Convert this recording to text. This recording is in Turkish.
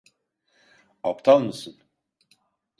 Aptal mısın?